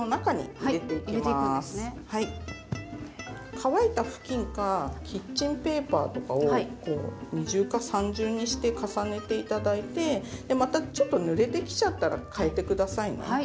乾いた布巾かキッチンペーパーとかを二重か三重にして重ねて頂いてでまたちょっとぬれてきちゃったらかえて下さいね。